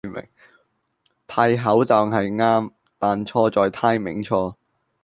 派口罩係啱,但錯在 timing 錯